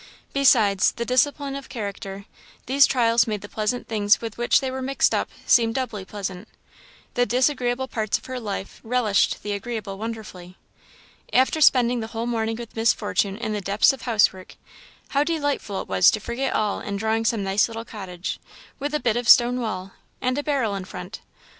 Besides, the discipline of character, these trials made the pleasant things with which they were mixed up seem doubly pleasant the disagreeable parts of her life relished the agreeable wonderfully. After spending the whole morning with Miss Fortune in the depths of house work, how delightful it was to forget all in drawing some nice little cottage, with a bit of stone wall, and a barrel in front!